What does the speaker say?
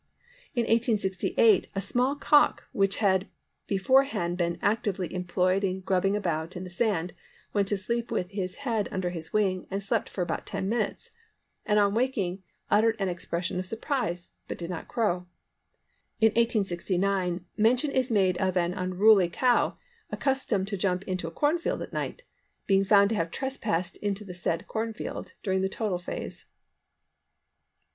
In 1868 "a small cock which had beforehand been actively employed in grubbing about in the sand went to sleep with his head under his wing and slept for about 10 minutes, and on waking uttered an expression of surprise, but did not crow." In 1869 mention is made of an unruly cow "accustomed to jump into a corn field at night" being found to have trespassed into the said corn field during the total phase.